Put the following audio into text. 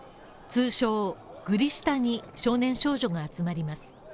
通称グリ下に少年少女が集まります。